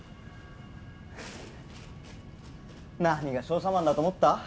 何が商社マンだと思った？